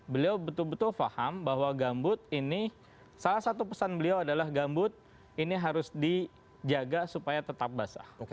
beliau betul betul faham bahwa gambut ini salah satu pesan beliau adalah gambut ini harus dijaga supaya tetap basah